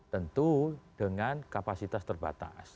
tentu dengan kapasitas terbatas